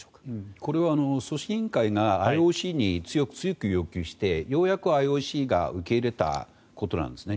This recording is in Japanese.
これは組織委員会がＩＯＣに強く強く要求してようやくＩＯＣが受け入れたことなんですね。